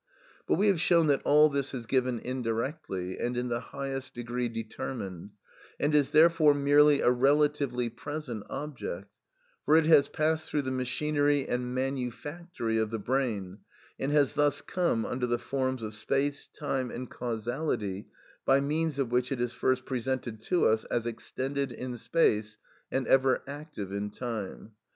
But we have shown that all this is given indirectly and in the highest degree determined, and is therefore merely a relatively present object, for it has passed through the machinery and manufactory of the brain, and has thus come under the forms of space, time and causality, by means of which it is first presented to us as extended in space and ever active in time.